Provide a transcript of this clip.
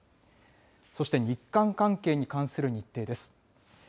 そして日韓関係に関する日程です。